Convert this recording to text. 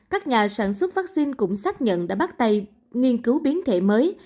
các nhà sản xuất vaccine cũng xác nhận đã bắt tay nghiên cứu biến thể mới